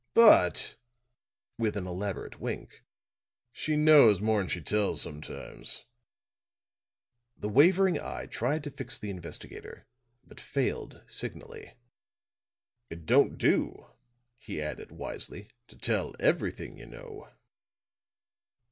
But," with an elaborate wink, "she knows more'n she tells sometimes." The wavering eye tried to fix the investigator, but failed signally. "It don't do," he added wisely, "to tell everything you know."